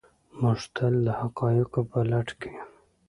موږ تل د حقایقو په لټه کې یو.